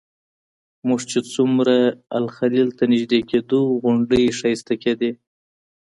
موږ چې څومره الخلیل ته نږدې کېدو غونډۍ ښایسته کېدې.